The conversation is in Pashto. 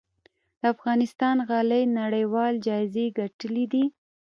د افغانستان غالۍ نړیوال جایزې ګټلي دي